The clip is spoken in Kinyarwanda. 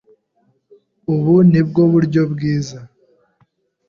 Ubu ni bwo buryo bwiza.